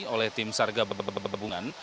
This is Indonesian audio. oleh tim sarga bebungan